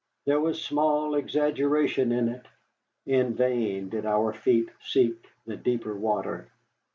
There was small exaggeration in it. In vain did our feet seek the deeper water.